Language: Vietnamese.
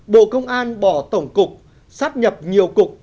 bộ công an bỏ tổng cục sát nhập nhiều cục